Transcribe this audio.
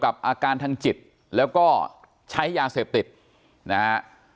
อาการทางจิตแล้วก็ใช้ยาเสพติดนะฮะ